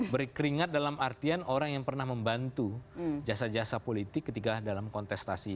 berkeringat dalam artian orang yang pernah membantu jasa jasa politik ketika dalam kontestasi